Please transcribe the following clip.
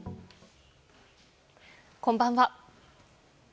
こんばんは。